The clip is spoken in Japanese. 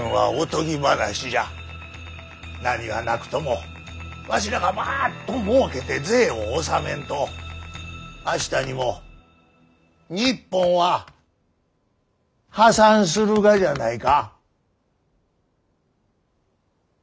何はなくともわしらがバッともうけて税を納めんと明日にも日本は破産するがじゃないか！